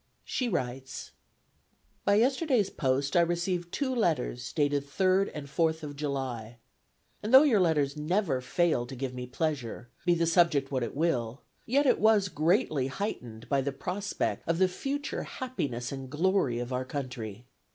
She writes: "By yesterday's post I received two letters dated 3d and 4th of July, and though your letters never fail to give me pleasure, be the subject what it will, yet it was greatly heightened by the prospect of the future happiness and glory of our country.